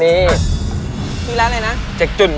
มีแล้วอะไรนะ